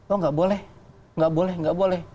oh nggak boleh nggak boleh nggak boleh